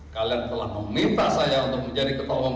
kalian telah meminta saya untuk menjadi ketua umum